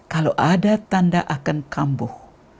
kalau ada tanda akan kambuh